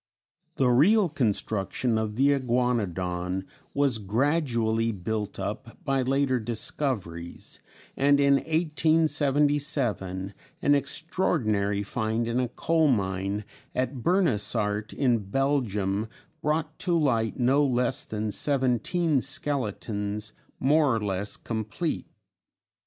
] The real construction of the Iguanodon was gradually built up by later discoveries, and in 1877 an extraordinary find in a coal mine at Bernissart in Belgium brought to light no less than seventeen skeletons more or less complete.